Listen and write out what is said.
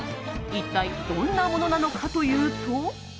一体どんなものなのかというと。